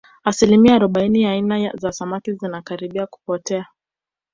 asilimia arobaini ya aina za samaki zinakaribia kupotea